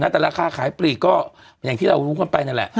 แต่ราคาขายปลีกก็อย่างที่เรารู้กันไปนั่นแหละ